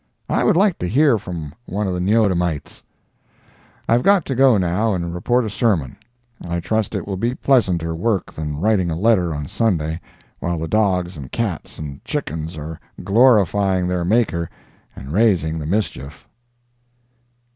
I would like to hear from one of the Neodamites. I have got to go now and report a sermon. I trust it will be pleasanter work than writing a letter on Sunday, while the dogs and cats and chickens are glorifying their Maker and raising the mischief.